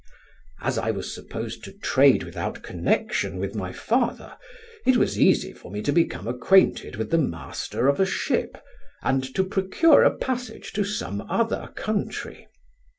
"As I was supposed to trade without connection with my father, it was easy for me to become acquainted with the master of a ship, and procure a passage to some other country.